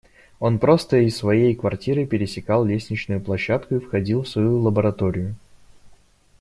Он просто из своей квартиры пересекал лестничную площадку и входил в свою лабораторию.